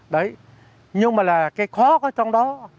đấy nhưng mà là cái khó có trong đó